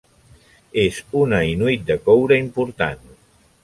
És una inuit de coure important.